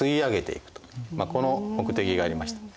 この目的がありました。